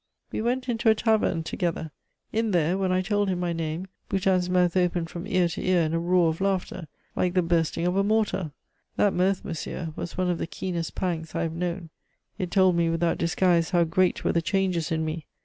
We went into a tavern together. In there, when I told him my name, Boutin's mouth opened from ear to ear in a roar of laughter, like the bursting of a mortar. That mirth, monsieur, was one of the keenest pangs I have known. It told me without disguise how great were the changes in me!